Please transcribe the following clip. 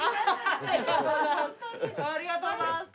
ありがとうございます。